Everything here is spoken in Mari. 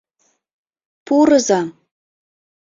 Пурыза!